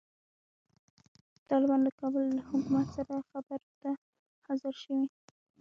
طالبان د کابل له حکومت سره خبرو ته حاضر شوي.